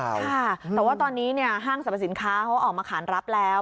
ค่ะแต่ว่าตอนนี้ห้างสรรพสินค้าเขาออกมาขานรับแล้ว